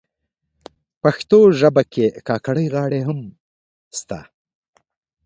پښتو ژبه کي کاکړۍ غاړي هم سته.